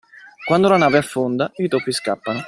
Quando la nave affonda, i topi scappano.